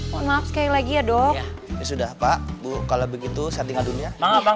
maaf sekali lagi ya dok sudah pak bu kalau begitu setting adunya